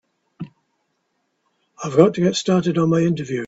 I've got to get started on my interview.